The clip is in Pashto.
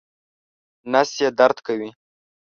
نس یې درد کوي